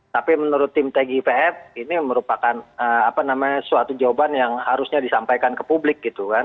tapi menurut tim tgipf ini merupakan suatu jawaban yang harusnya disampaikan ke publik gitu kan